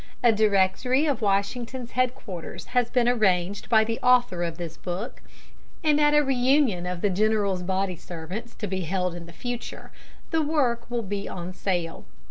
A directory of Washington's head quarters has been arranged by the author of this book, and at a reunion of the general's body servants to be held in the future the work will be on sale.